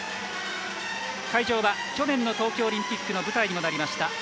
会場は去年の東京オリンピックの舞台にもなりました